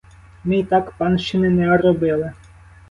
Ми й так панщини не робили.